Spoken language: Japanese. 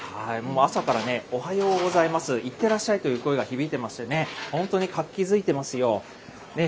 朝からね、おはようございます、いってらっしゃいという声が響いてましてね、本当に活気づいてますよ。